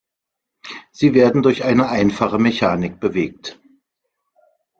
Sie werden durch eine einfache Mechanik bewegt.